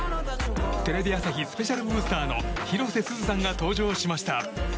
テレビ朝日スペシャルブースターの広瀬すずさんが登場しました。